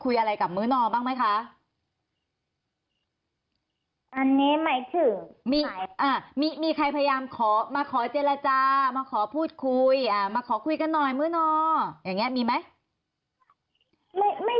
อย่างนี้มีไม่